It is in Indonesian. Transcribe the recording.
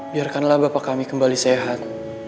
biarkanlah bapak kami kembali sehat